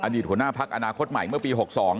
อดีตขวนหน้าภักดิ์อนาคตใหม่เมื่อปี๖๒